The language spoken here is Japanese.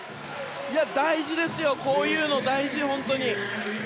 大事ですよ、こういうの大事！